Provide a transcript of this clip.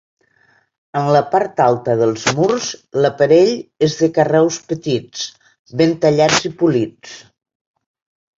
En la part alta dels murs, l'aparell és de carreus petits, ben tallats i polits.